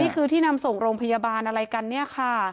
นี่คือที่นำส่งโรงพยาบาลอะไรกันเนี่ยค่ะ